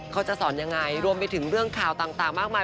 เขาจะสอนยังไงรวมไปถึงเรื่องข่าวต่างมากมาย